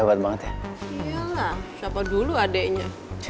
ini udah berarti juga book nya